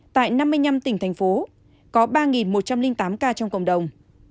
tại năm mươi năm tỉnh thành phố có ba một trăm linh tám ca trong cộng đồng